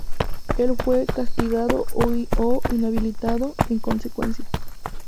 Él fue "castigado" o inhabilitado, en consecuencia.